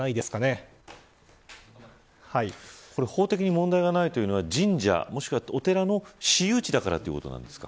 法的に問題がないというのは神社もしくはお寺の私有地だからですか。